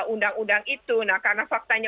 undang undang itu nah karena faktanya